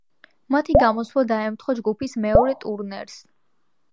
მათი გამოსვლა დაემთხვა ჯგუფის მეორე ტურნეს.